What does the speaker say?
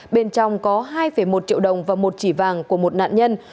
bên trong có hai một triệu đồng và một chỉ vàng của một nạn nhân